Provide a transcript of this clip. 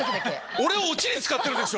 俺をオチに使ってるでしょ！